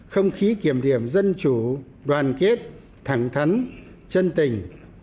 không khí kiểm điểm dân chủ đoàn kết thẳng thắn chân tình